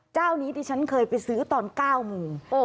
เจ้านี้ดิฉันเคยไปซื้อตอน๙โมง